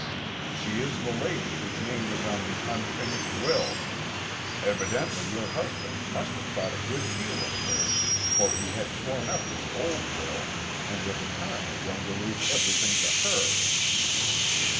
"She is the lady whose name is on the unfinished will. Evidently your husband must have thought a good deal of her for he had torn up his old will and was apparently going to leave everything to her."